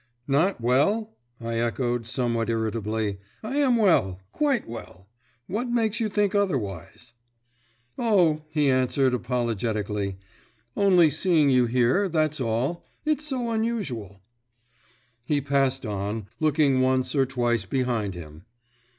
"Not well?" I echoed, somewhat irritably; "I am well, quite well. What makes you think otherwise?" "O," he answered apologetically, "only seeing you here, that's all. It's so unusual." He passed on, looking once or twice behind him.